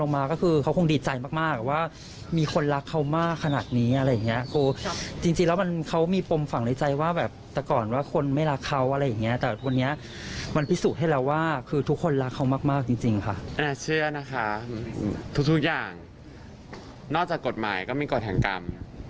พุทธกรรมนอกจากกฎหมากก็ปราตรกฎถังกรรม